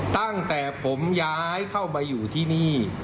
ตั้งแต่ผมย้ายเข้ามาอยู่ที่นี่